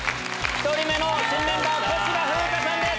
１人目の新メンバー小芝風花さんです。